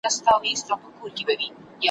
بل به څوک وي پر دنیا تر ما ښاغلی ,